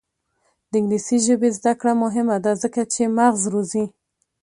د انګلیسي ژبې زده کړه مهمه ده ځکه چې مغز روزي.